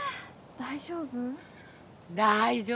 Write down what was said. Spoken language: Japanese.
大丈夫。